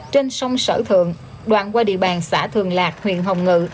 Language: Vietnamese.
trên sông sở thượng đoạn qua địa bàn xã thường lạc huyện hồng ngự